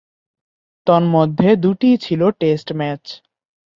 তন্মধ্যে দুটিই ছিল টেস্ট ম্যাচ।